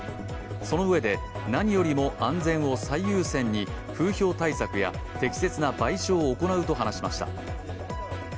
そのうえで、何よりも安全を最優先に風評対策や適切な賠償を行うと話しました。